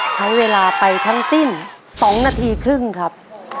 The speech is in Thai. ใช้เวลาไปทั้งสิ้น๒นาทีครึ่งครับ